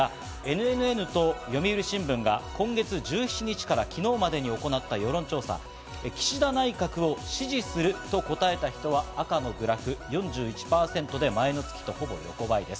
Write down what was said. ＮＮＮと読売新聞が今月１７日から昨日までに行った世論調査、岸田内閣を支持すると答えた人は赤のグラフ４１％で、前の月とほぼ横ばいです。